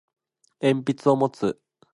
鉛筆を持つ